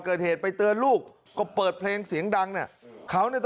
เกิดเหตุไปเตือนลูกก็เปิดเพลงเสียงดังเนี่ยเขาเนี่ย